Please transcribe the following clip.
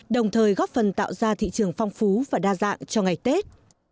đồng thời góp phần tạo ra thị trường phong phú và đa dạng cho ngày tết